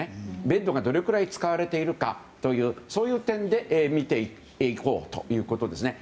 ベッドがどれくらい使われているかというそういう点で見ていこうということですね。